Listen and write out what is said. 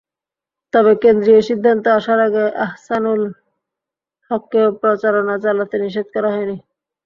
তবে কেন্দ্রীয় সিদ্ধান্ত আসার আগে আহসানুল হককেও প্রচারণা চলাতে নিষেধ করা হয়নি।